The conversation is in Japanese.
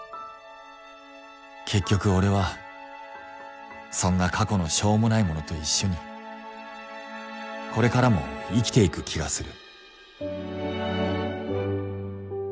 結局俺はそんな過去のしょうもないものと一緒にこれからも生きていく気がする